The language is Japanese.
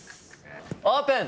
オープン！